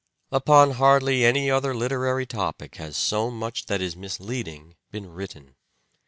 Upon hardly any other literary topic has so much that is misleading been written.